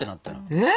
えっ？